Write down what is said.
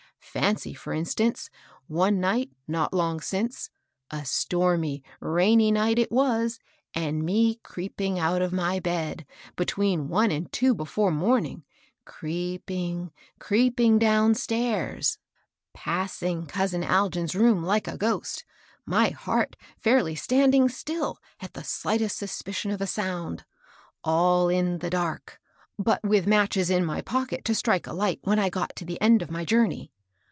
Fancy, for instance, one night not long since, — a stormy, rainy night it was, — and me creeping out of my bed, between one an^d two before morur ing, creeping, creeping downstairs, passing cousin HILDA AND HER MYSTERY. 61 Algin's room like a ghost, my heart fairly standiiig still at the slightest suspicion of a sound ; 'all in the dark, but with matches in my pocket to strike a light when I got to the end of my journey.